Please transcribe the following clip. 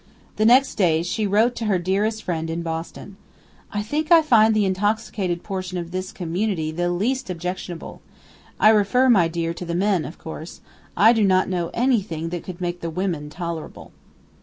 The next day she wrote to her dearest friend, in Boston: "I think I find the intoxicated portion of this community the least objectionable. I refer, my dear, to the men, of course. I do not know anything that could make the women tolerable."